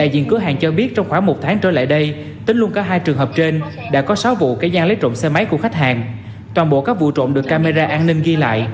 được nghe những lời chúc của một mùa trăng ấm áp